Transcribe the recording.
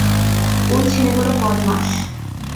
ঐ ছেলেগুলো বদমাশ।